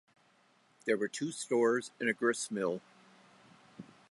There were two stores and a gristmill.